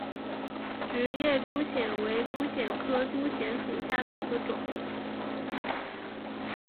直叶珠藓为珠藓科珠藓属下的一个种。